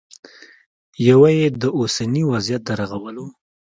یوه یې د اوسني وضعیت د رغولو